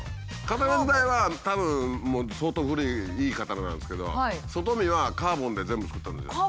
刀自体はたぶん相当古いいい刀なんですけど外見はカーボンで全部作ったんですよ。